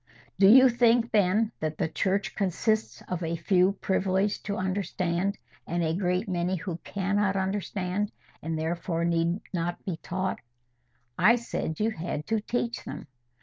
"Do you think, then, that the Church consists of a few privileged to understand, and a great many who cannot understand, and therefore need not be taught?" "I said you had to teach them."